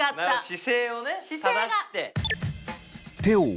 姿勢をね正して。